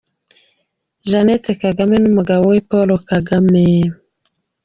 Jeannette Kagame n’umugabo we, Paul Kagame.